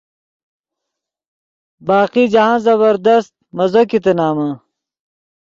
باقی جاہند زبردست مزو کیتے نمن۔